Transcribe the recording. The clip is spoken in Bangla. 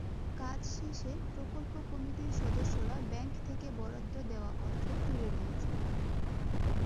কাজ শেষে প্রকল্প কমিটির সদস্যরা ব্যাংক থেকে বরাদ্দ দেওয়া অর্থ তুলে নিয়েছেন।